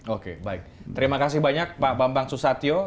oke baik terima kasih banyak pak bambang susatyo